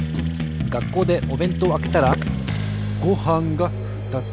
がっこうでおべんとうをあけたらごはんがふたつ。